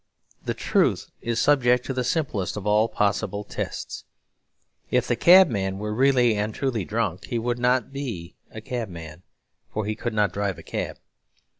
The truth is subject to the simplest of all possible tests. If the cabman were really and truly drunk he would not be a cabman, for he could not drive a cab.